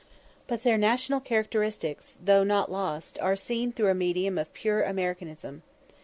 But their national characteristics, though not lost, are seen through a medium of pure Americanism.